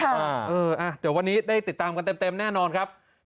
เดี๋ยววันนี้ได้ติดตามกันเต็มแน่นอนครับ